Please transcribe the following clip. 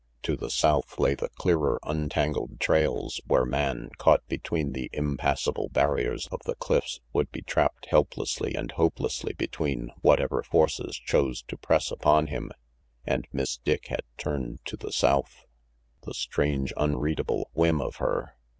To the south lay the RANGY PETE 317 clearer, untangled trails, where man, caught between the impassable barriers of the cliffs, would be trapped helplessly and hopelessly between whatever forces chose to press upon him. And Miss Dick had turned to the south! The strange, unreadable whim of her!